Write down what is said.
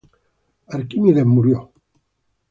Arquímedes murió "c".